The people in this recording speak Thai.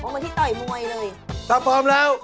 มาที่ต่อยมวยเลยครับพร้อมแล้ว